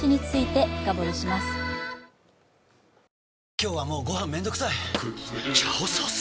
今日はもうご飯めんどくさい「炒ソース」！？